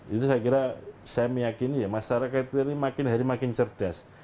itu saya kira saya meyakini ya masyarakat ini makin hari makin cerdas